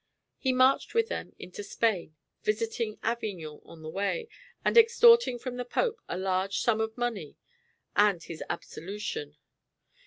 He marched with them into Spain, visiting Avignon on the way, and extorting from the Pope a large sum of money and his absolution.